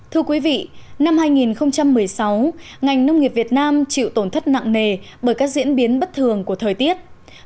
thưa quý vị năm hai nghìn một mươi sáu ngành nông nghiệp việt nam chịu tổn thất nặng nề bởi các diễn biến bất thường của thời tiết